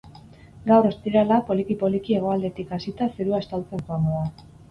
Gaur, ostirala, poliki-poliki hegoaldetik hasita zerua estaltzen joango da.